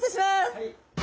はい。